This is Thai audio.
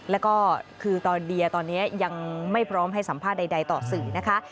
แล้วก็คือตอนเดียตอนนี้ยังไม่พร้อมให้สัมภาษณ์ใดต่อสื่อนะคะ